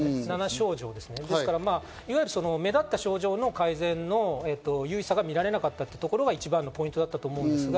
７症状、目立った症状の改善の有意差が見られなかったということが一番のポイントだと思います。